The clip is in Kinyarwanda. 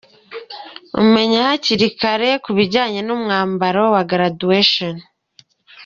Menya hakiri kare ibijyanye n’umwambaro wa ‘graduation’.